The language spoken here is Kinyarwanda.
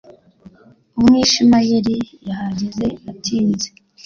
Umwishimayeli yahageze atinze